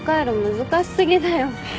難し過ぎだよ。